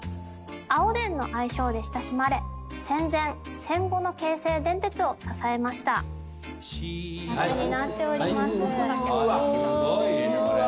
青電の愛称で親しまれ戦前戦後の京成電鉄を支えましたすごいですね。